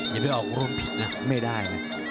อย่าไปบอกว่ารวมผิดนะไม่ได้